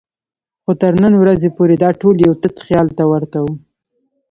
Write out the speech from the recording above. خو تر نن ورځې پورې دا ټول یو تت خیال ته ورته وو.